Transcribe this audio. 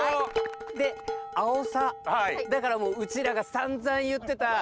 であおさだからもううちらが散々言ってた